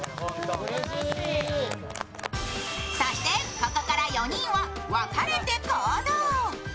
ここから４人は分かれて行動。